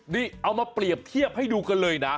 นี่เอามาเปรียบเทียบให้ดูกันเลยนะ